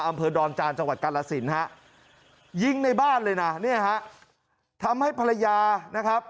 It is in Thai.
อำเภอดอนจานจกรสินยิงในบ้านเลยนะทำให้ภรรยา